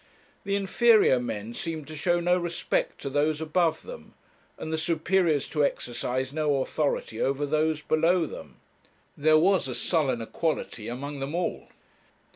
The inferior men seemed to show no respect to those above them, and the superiors to exercise no authority over those below them. There was, a sullen equality among them all.